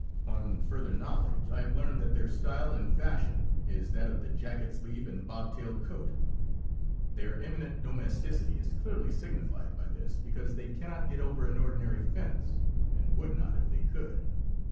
On further knowledge I have learned that their style and fashion is that of the jacket sleeve and bobtail coat. Their eminent domesticity is clearly signified by this, because they cannot get over an ordinary fence, and would not if they could.